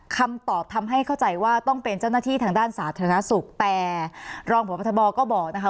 คำตอบทำให้เข้าใจว่าต้องเป็นเจ้าหน้าที่ทางด้านสาธารณสุขแต่รองพบทบก็บอกนะคะ